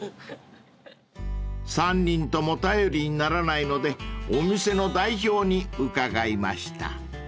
［３人とも頼りにならないのでお店の代表に伺いました］